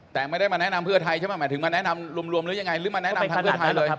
แต่ไม่ได้มาแนะนำเพื่อไทยใช่ไหมหมายถึงมาแนะนำรวมหรือยังไงหรือมาแนะนำทางเพื่อไทยเลย